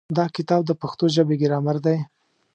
دا کتاب د پښتو ژبې ګرامر دی.